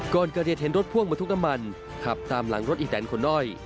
ก่อนเกิดเหตุเห็นรถพ่วงมาทุกน้ำมันขับตามหลังรถอีแตนขนอ้อย